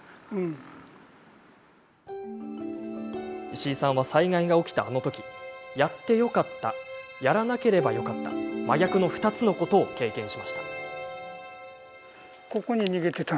石井さんは災害が起きたあのときやってよかったやらなければよかった真逆の２つのことを経験しました。